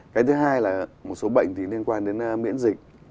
cái thứ hai là một số bệnh thì liên quan đến miễn dịch